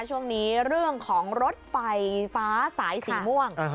ช่วงนี้เรื่องของรถไฟฟ้าสายสีม่วง